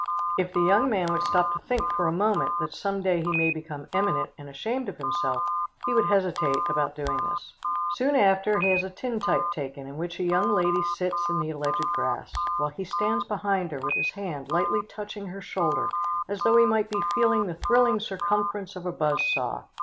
If the young man would stop to think for a moment that some day he may become eminent and ashamed of himself, he would hesitate about doing this. Soon after, he has a tintype taken in which a young lady sits in the alleged grass, while he stands behind her with his hand lightly touching her shoulder as though he might be feeling of the thrilling circumference of a buzz saw.